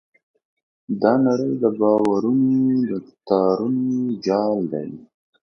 دا نړۍ د باورونو د تارونو جال دی.